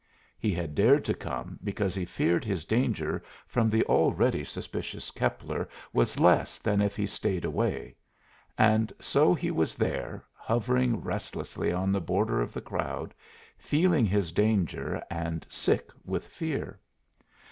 He had dared to come because he feared his danger from the already suspicious Keppler was less than if he stayed away. And so he was there, hovering restlessly on the border of the crowd, feeling his danger and sick with fear.